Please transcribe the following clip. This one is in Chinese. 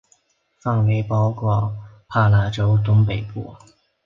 范围包括帕拉州东北部。